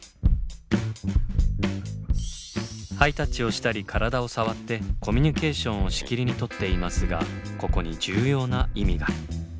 ハイタッチをしたり体を触ってコミュニケーションをしきりにとっていますがここに重要な意味が。